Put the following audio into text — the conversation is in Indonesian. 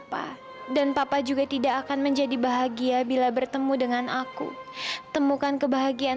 sampai jumpa di video selanjutnya